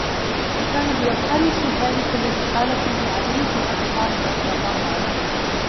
وَكَانَ هُوَ الْخَامِسُ الْهَالِكُ الَّذِي قَالَ فِيهِ عَلِيُّ بْنُ أَبِي طَالِبٍ رَضِيَ اللَّهُ عَنْهُ